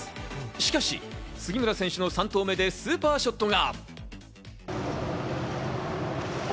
しかし、杉村選手の３投目でスーパーショットが。